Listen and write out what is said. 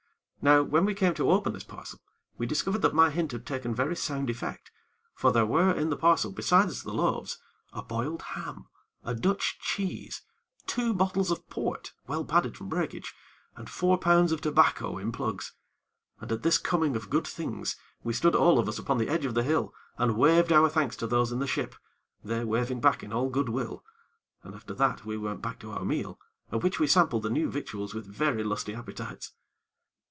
Now, when we came to open this parcel, we discovered that my hint had taken very sound effect; for there were in the parcel, besides the loaves, a boiled ham, a Dutch cheese, two bottles of port well padded from breakage, and four pounds of tobacco in plugs. And at this coming of good things, we stood all of us upon the edge of the hill, and waved our thanks to those in the ship, they waving back in all good will, and after that we went back to our meal, at which we sampled the new victuals with very lusty appetites.